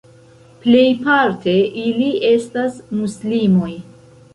Plejparte ili estas muslimoj.